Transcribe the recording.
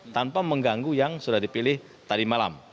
tanpa mengganggu yang sudah dipilih tadi malam